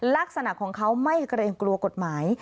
ลักษณะของเขาไม่เกรงกลัวกฎหมาย